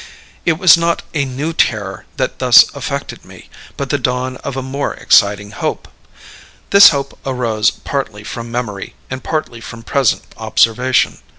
"It was not a new terror that thus affected me, but the dawn of a more exciting hope. This hope arose partly from memory, and partly from present observation.